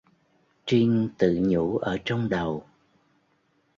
Trinh tự nhủ ở trong đầu